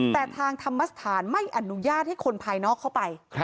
แต่ทางธรรมสถานไม่อนุญาตให้คนภายนอกเข้าไป